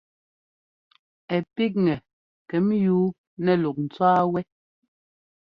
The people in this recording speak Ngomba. Ɛ píkŋɛ kɛm yú nɛ́ luk ńtwá wɛ́.